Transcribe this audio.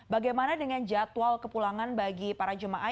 bagaimana dengan jadwal kepulangan bagi para jemaah